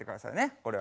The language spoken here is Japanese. これは。